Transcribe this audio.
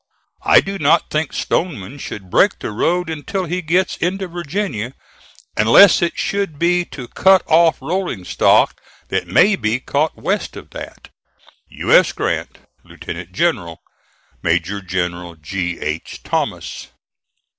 I do not think Stoneman should break the road until he gets into Virginia, unless it should be to cut off rolling stock that may be caught west of that. "U. S. GRANT, Lieutenant General. "MAJOR GENERAL G. H. THOMAS."